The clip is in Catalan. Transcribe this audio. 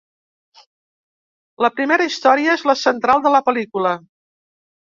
La primera història és la central de la pel·lícula.